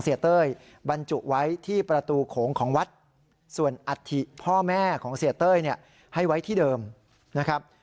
ส่วนอัตถิพ่อแม่ของเสียเต้ยให้ไว้ที่เดิมนะครับ